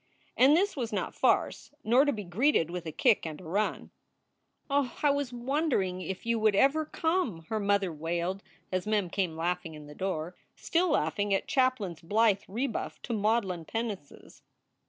And this was not farce, nor to be greeted with a kick and a run. "Oh, I was wondering if you would ever come!" her mother wailed as Mem came laughing in the door, still laughing at Chaplin s blithe rebuff to maudlin penances.